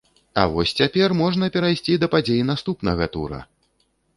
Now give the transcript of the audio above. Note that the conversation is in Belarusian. А вось цяпер можна перайсці да падзей наступнага тура!